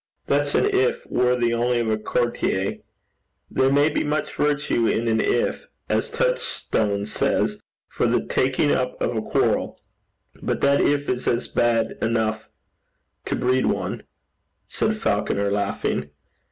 'That's an if worthy only of a courtier. There may be much virtue in an if, as Touchstone says, for the taking up of a quarrel; but that if is bad enough to breed one,' said Falconer, laughing.